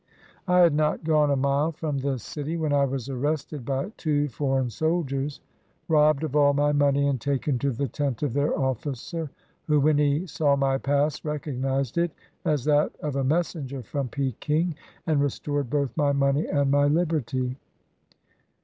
I had not gone a mile from the city when I was arrested by two foreign soldiers, robbed of all my money, and taken to the tent of their officer, who, when he saw my pass, recognized it as that of a messenger from Peking and restored both my money and my liberty.